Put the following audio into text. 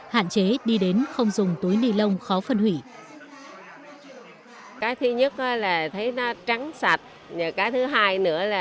hạn chế đi đến không dùng túi nilon khó phân hủy